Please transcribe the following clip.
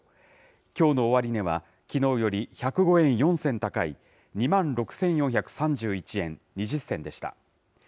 きょうの終値は、きのうより１０５円４銭高い、２万６４３１円２０銭でした。